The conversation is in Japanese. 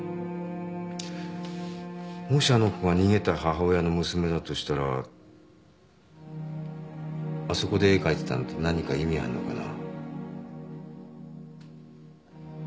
もしあの子が逃げた母親の娘だとしたらあそこで絵描いてたのって何か意味あるのかな？